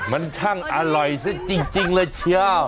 มันช่างอร่อยซะจริงเลยเชียว